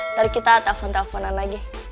nanti kita telepon teleponan lagi